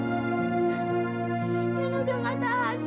iyena udah gak tahan bu